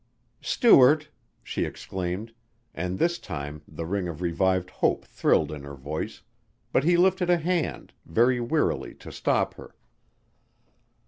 "Stuart " she exclaimed, and this time the ring of revived hope thrilled in her voice, but he lifted a hand, very wearily to stop her.